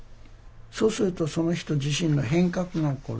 そうするとその人自身の変革が起こる。